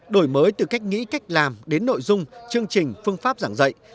đổi mới từ cách nghĩ cách làm đến nội dung chương trình phương pháp giảng dạy